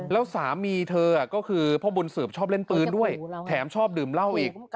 แล้วสามีเธอก็คือพ่อบุญสืบชอบเล่นปืนด้วยแถมชอบดื่มเหล้าอีก